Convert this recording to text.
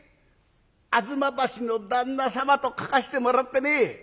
『吾妻橋の旦那様』と書かしてもらってね。